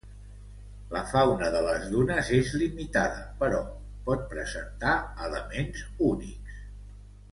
La fauna de les dunes és limitada, però pot presentar elements únics.